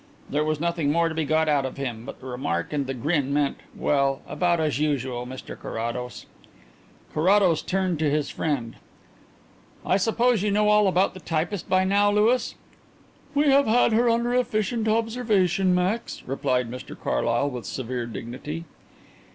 There was nothing more to be got out of him, but the remark and the grin meant well, about as usual, Mr Carrados." Carrados turned to his friend. "I suppose you know all about the typist by now, Louis?" "We have had her under efficient observation, Max," replied Mr Carlyle, with severe dignity.